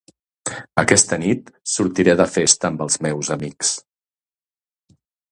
Aquesta nit sortiré de festa amb els meus amics.